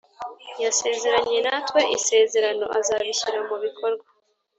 Yasezeranye natwe isezerano azabishyira mu bikorwa